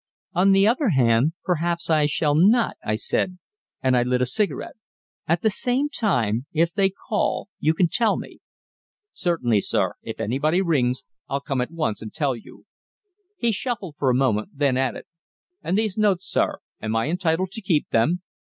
"On the other hand, perhaps I shall not," I said, and I lit a cigarette. "At the same time, if they call, you can tell me." "Certainly, sir if anybody rings, I'll come at once and tell you." He shuffled for a moment, then added: "And these notes, sir; am I entitled to keep them?"